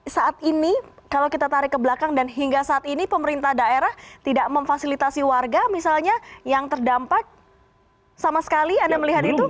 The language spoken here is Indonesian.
saat ini kalau kita tarik ke belakang dan hingga saat ini pemerintah daerah tidak memfasilitasi warga misalnya yang terdampak sama sekali anda melihat itu